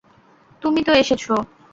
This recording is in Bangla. তুমি তো এসেছ।